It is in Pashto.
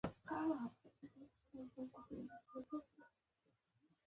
پخوا پرچمیان د نظار شورا د ملاتړ اساسي قوت وو.